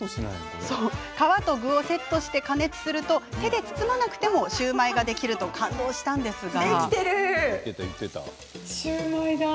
皮と具をセットして加熱すると手で包まなくてもシューマイができると感動したんですが。